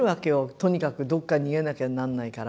とにかくどっか逃げなきゃなんないから。